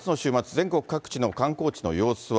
全国各地の観光地の様子は。